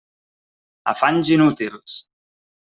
Afanys inútils!